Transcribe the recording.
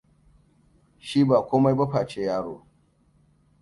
Shi ba komai ba face yaro.